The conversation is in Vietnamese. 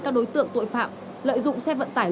các đối tượng tội phạm lợi dụng xe vận tải